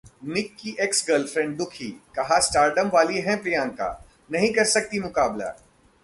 निक की Ex girlfriend दुखी, कहा- स्टारडम वाली हैं प्रियंका, नहीं कर सकती मुकाबला